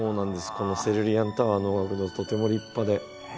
このセルリアンタワー能楽堂とても立派で。